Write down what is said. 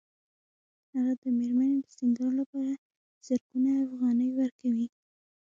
هغه د مېرمنې د سینګار لپاره زرګونه افغانۍ ورکوي